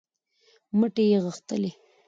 مټې یې غښتلې